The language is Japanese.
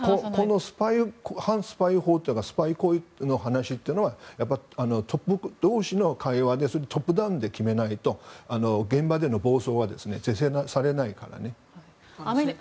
この反スパイ法やスパイ行為の話はトップ同士の会話でトップダウンで決めないと現場での暴走は是正されないから。